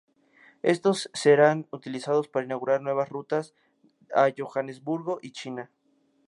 Estos serán utilizados para inaugurar nuevas rutas a Johannesburgo y China.